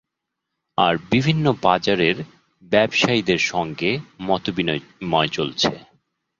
আর বিভিন্ন বাজারের ব্যবসায়ীদের সঙ্গে মতবিনিময় চলছে।